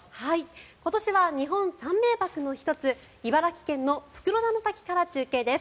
今年は日本三名瀑の１つ茨城県の袋田の滝から中継です。